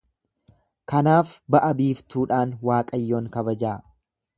Kanaaf ba'a-biiftuudhaan Waaqayyoon kabajaa.